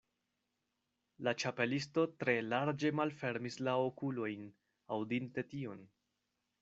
La Ĉapelisto tre larĝe malfermis la okulojn, aŭdinte tion.